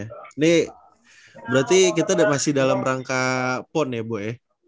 ini berarti kita masih dalam rangka pon ya bu ya